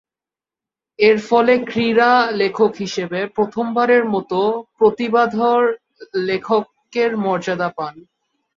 এরফলে ক্রীড়া লেখক হিসেবে প্রথমবারের মতো প্রতিভাধর লেখকের মর্যাদা পান।